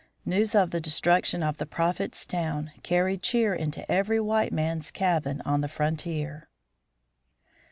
News of the destruction of the Prophet's town carried cheer into every white man's cabin on the frontier.